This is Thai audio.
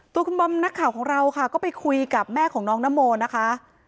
ตัวคุณบอมนักข่าวของเราค่ะก็ไปคุยกับแม่ของน้องนโมนะคะ